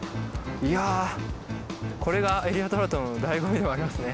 いやこれがエリアトラウトのだいご味でもありますね